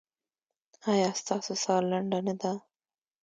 ایا ستاسو ساه لنډه نه ده؟